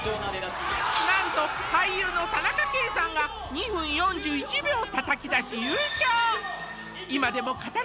なんと俳優の田中圭さんが２分４１秒をたたき出し優勝